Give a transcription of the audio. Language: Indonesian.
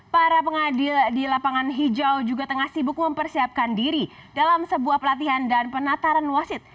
para pengadil di lapangan hijau juga tengah sibuk mempersiapkan diri dalam sebuah pelatihan dan penataran wasit